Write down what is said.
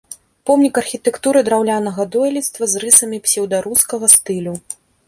Помнік архітэктуры драўлянага дойлідства з рысамі псеўдарускага стылю.